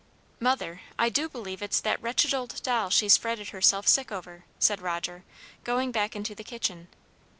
"Mother, I do believe it's that wretched old doll she's fretted herself sick over," said Roger, going back into the kitchen.